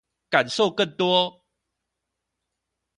感受更多